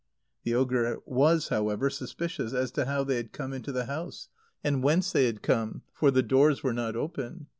The ogre was, however, suspicious as to how they had come into the house, and whence they had come, for the doors were not open.